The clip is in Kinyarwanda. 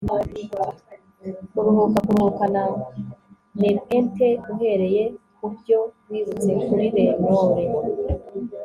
kuruhuka - kuruhuka na nepenthe, uhereye kubyo wibutse kuri lenore